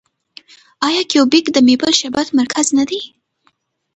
آیا کیوبیک د میپل شربت مرکز نه دی؟